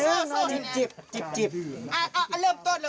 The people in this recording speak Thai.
พูดไปยังไงขอพร